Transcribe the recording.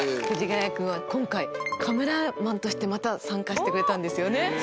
藤ヶ谷くんは今回カメラマンとしてまた参加してくれたんですよね？